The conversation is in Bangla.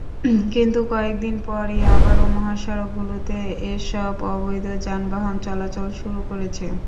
কিন্তু কয়েকদিন পরই আবারও মহাসড়কগুলোতে এসব অবৈধ যানবাহন চলাচল শুরু করেছে।